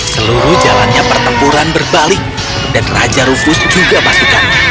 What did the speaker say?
seluruh jalannya pertempuran berbalik dan raja rufus juga pastikan